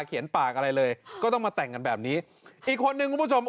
ปากอะไรเลยก็ต้องมาแต่งกันแบบนี้อีกคนนึงคุณผู้ชม